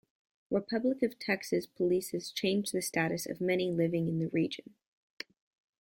Republic of Texas policies changed the status of many living in the region.